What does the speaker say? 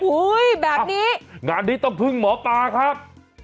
แบบนี้งานนี้ต้องพึ่งหมอปลาครับ